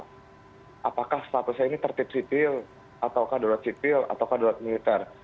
nah statusnya ini tertutup sipil atau kadulat sipil atau kadulat militer